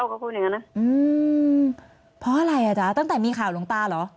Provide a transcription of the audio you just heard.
ก็พูดอย่างนั้นนะอืมเพราะอะไรอ่ะจ๊ะตั้งแต่มีข่าวหลวงตาเหรอ